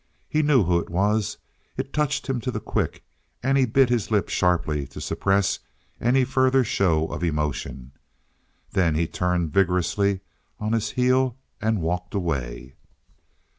He knew who it was. It touched him to the quick, and he bit his lip sharply to suppress any further show of emotion. Then he turned vigorously on his heel and walked away.